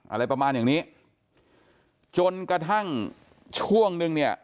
อะไรประมาณอย่างนี้จนกระทั่งช่วงนึงเนี่ย